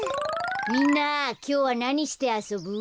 みんなきょうはなにしてあそぶ？